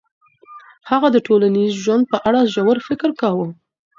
هغه د ټولنیز ژوند په اړه ژور فکر کاوه.